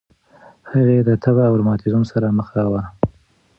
هغې د تبه او روماتیسم سره مخ وه.